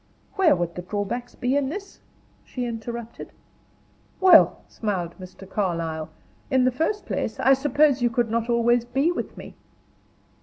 "Where would be the drawbacks in this?" she interrupted. "Well," smiled Mr. Carlyle, "in the first place, I suppose you could not always be with me."